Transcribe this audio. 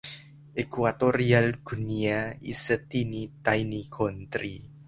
Equatorial Guinea is a teeny tiny country.